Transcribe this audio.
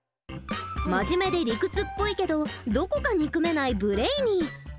真面目で理屈っぽいけどどこか憎めないブレイニー。